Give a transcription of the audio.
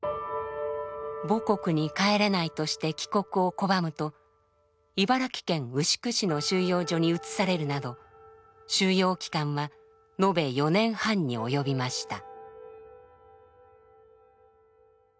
母国に帰れないとして帰国を拒むと茨城県牛久市の収容所に移されるなど収容期間は延べ４年半に及びました。